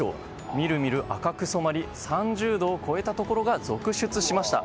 見る見る赤く染まり、３０度を超えたところが続出しました。